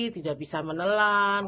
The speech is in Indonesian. tidak bisa menelan